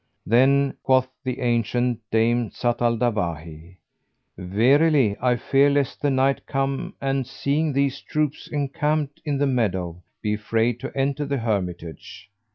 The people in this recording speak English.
Then quoth the ancient dame, Zat al Dawahi, "Verily, I fear lest the Knight come and, seeing these troops encamped in the meadow, be afraid to enter the hermitage."